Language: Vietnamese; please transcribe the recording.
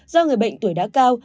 do người bệnh tuổi đã cao